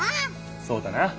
そうだな！